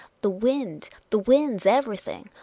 The wind, the wind 's everything.